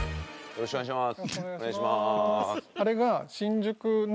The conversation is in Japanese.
よろしくお願いします。